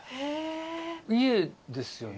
家ですよね？